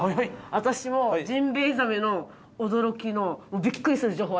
私もジンベエザメの驚きのびっくりする情報ありますよ。